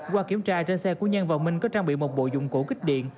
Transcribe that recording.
qua kiểm tra trên xe của nhân và minh có trang bị một bộ dụng cụ kích điện